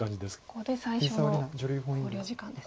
ここで最初の考慮時間ですね。